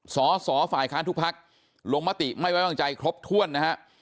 สอสอฝ่ายค้านทุกพักลงมติไม่ไว้วางใจครบถ้วนนะฮะ